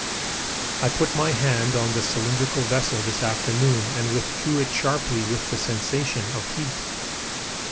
I put my hand on the cylindrical vessel this afternoon and withdrew it sharply with the sensation of heat.